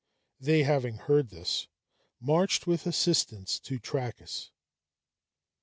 They, having heard this, marched with assistance to Trachis.